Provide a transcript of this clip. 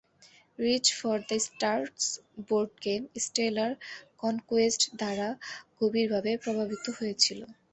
"Rich for the stars" board game "stellar conquest" দ্বারা গভীরভাবে প্রভাবিত হয়েছিল।